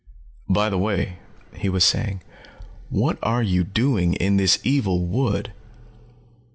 "By the way," he was saying, "what are you doing in this evil wood?"